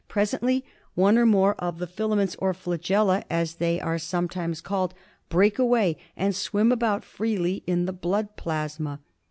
Presently one or more of the fila ments, or flagella, as they are sometimes called, break away and swim about freely in the blood plasma.